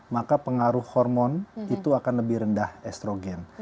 maka pengaruh hormon itu akan lebih rendah estrogen